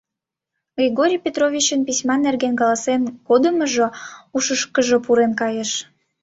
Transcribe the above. Григорий Петровичын письма нерген каласен кодымыжо ушышкыжо пурен кайыш.